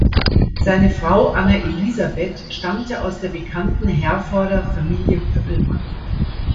Seine Frau Anna Elisabeth stammte aus der bekannten Herforder Familie Pöppelmann.